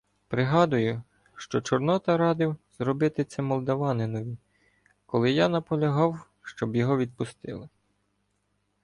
Пригадую, що Чорнота "радив" зробити це молдаванинові, коли я наполягав, щоб його відпустили.